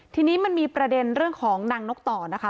ทีนี้มันมีประเด็นเรื่องของนางนกต่อนะคะ